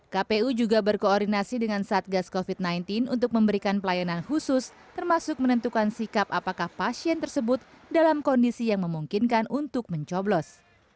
kpu juga berkoordinasi dengan satgas covid sembilan belas untuk memberikan pelayanan khusus termasuk menentukan sikap apakah pasien tersebut dalam kondisi yang memungkinkan untuk mencoblos